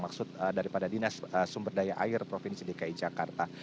maksud daripada dinas sumberdaya air provinsi dki jakarta